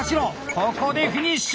ここでフィニッシュ！